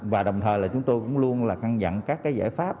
và đồng thời là chúng tôi cũng luôn là căn dặn các cái giải pháp